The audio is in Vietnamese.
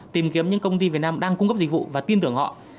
tìm kiếm những công ty việt nam đang cung cấp dịch vụ và tin tưởng họ